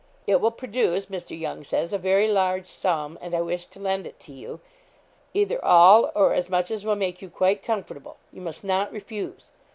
It will produce, Mr. Young says, a very large sum, and I wish to lend it to you, either all or as much as will make you quite comfortable you must not refuse.